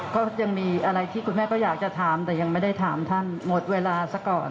ก็ยังมีอะไรที่คุณแม่ก็อยากจะถามแต่ยังไม่ได้ถามท่านหมดเวลาซะก่อน